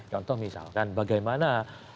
contoh misalkan bagaimana